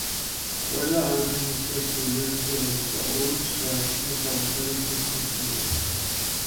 ყველა ადმინისტრაციულ ერთეულს და ოლქს გააჩნია საკუთარი თვითმართველობა.